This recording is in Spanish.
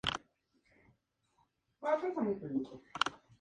Hoy esta pieza se encuentra en el Museo Arqueológico Nacional de Madrid.